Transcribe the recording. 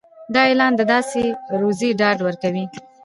دا اعلان د داسې روزي ډاډ ورکوي.